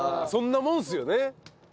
そんなもんですよね。